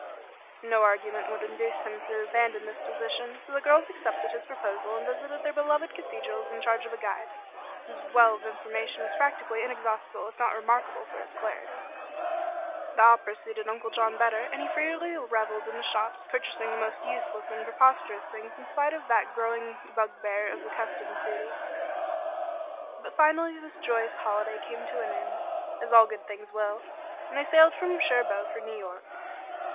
No argument would induce him to abandon this position; so the girls accepted his proposal and visited their beloved cathedrals in charge of a guide, whose well of information was practically inexhaustible if not remarkable for its clarity. The opera suited Uncle John better, and he freely revelled in the shops, purchasing the most useless and preposterous things in spite of that growing bugbear of the customs duties. But finally this joyous holiday came to an end, as all good things will, and they sailed from Cherbourg for New York.